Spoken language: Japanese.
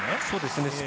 そうですね。